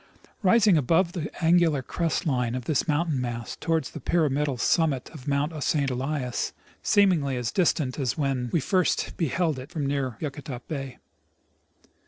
Rising above the angular crest line of this mountain mass towers the pyram idal summit of Mount St. Elias, seemingly as distant as when Ave first beheld it from near Yakutat bay.